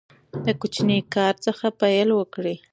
د کوچني کار څخه پیل وکړئ.